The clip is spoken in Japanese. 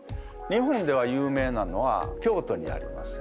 日本では有名なのは京都にあります